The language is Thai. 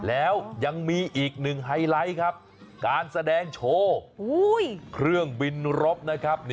แล้วยังมีอีกหนึ่งไฮไลท์ครับการแสดงโชว์เครื่องบินรบนะครับ